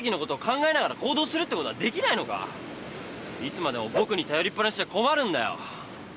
いつまでも僕に頼りっぱなしじゃ困るんだよ。